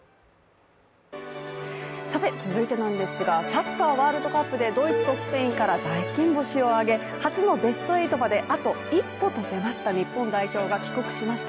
続いてなんですが、サッカーワールドカップでドイツとスペインから大金星を挙げ、初のベスト８まであと一歩と迫った日本代表が帰国しました。